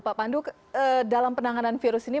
pak pandu dalam penanganan virus ini